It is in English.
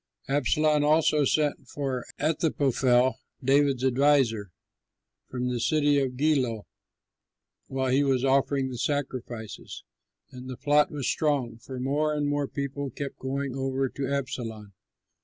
Absalom also sent for Ahithophel, David's adviser, from the city of Giloh, while he was offering the sacrifices. And the plot was strong, for more and more people kept going over to Absalom.